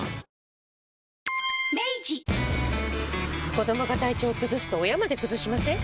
子どもが体調崩すと親まで崩しません？